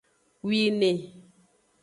Wine.